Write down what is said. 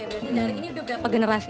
jadi dari ini udah berapa generasi